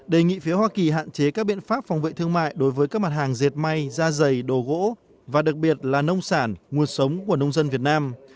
đề nghị phía hoa kỳ hạn chế các biện pháp phòng vệ thương mại đối với các mặt hàng diệt may da dày đồ gỗ và đặc biệt là nông sản nguồn sống của nông dân việt nam